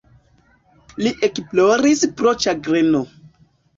Li ekploris pro ĉagreno.